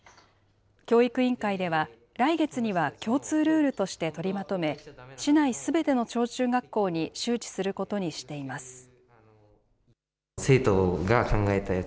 教育委員会では、来月には共通ルールとして取りまとめ、市内すべての小中学校に周知することにしています。